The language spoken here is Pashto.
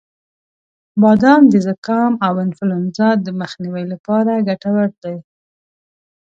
• بادام د زکام او انفلونزا د مخنیوي لپاره ګټور دی.